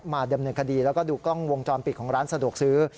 ดำเนินคดีแล้วก็ดูกล้องวงจรปิดของร้านสะดวกซื้อ